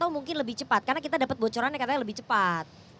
mungkin lebih cepat karena kita dapat bocoran yang katanya lebih cepat